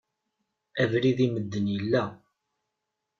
Abrid i medden yella.